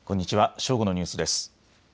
正午のニュースです。